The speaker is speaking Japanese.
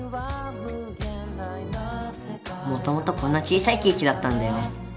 もともとこんな小さいケーキだったんだよ。